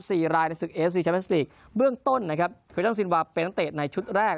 สี่รายในศึกเอฟซีแชมเมสติกเบื้องต้นนะครับคือต้องซินวาเป็นนักเตะในชุดแรก